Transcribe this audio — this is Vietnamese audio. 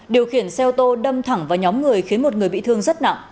điều khiển xe ô tô đâm thẳng vào nhóm người khiến một người bị thương rất nặng